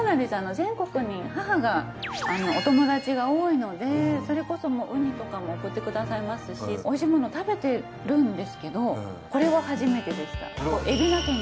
全国に母がお友達が多いのでそれこそウニとかも送ってくださいますしおいしいもの食べてるんですけどこれは初めてでした。